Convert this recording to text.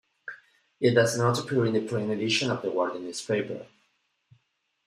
It does not appear in the print edition of "The Guardian" newspaper.